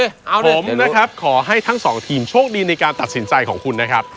ผมนะครับขอให้ทั้งสองทีมโชคดีในการตัดสินใจของคุณนะครับ